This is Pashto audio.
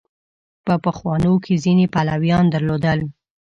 په پخوانو کې ځینې پلویان درلودل.